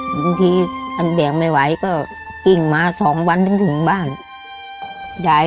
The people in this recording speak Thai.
หลานก็ทำไม่ได้หลานก็ทำไม่ได้ต้องทำเลี้ยงคนเดียว